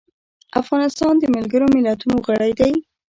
افغانستان د ملګرو ملتونو غړی دی.